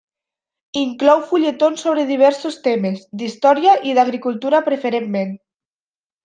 Inclou fulletons sobre diversos temes, d'història i d'agricultura preferentment.